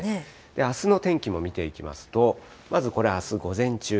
あすの天気も見ていきますと、まずこれあす午前中。